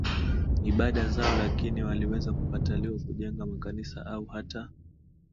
ibada zao lakini waliweza kukataliwa kujenga makanisa au hata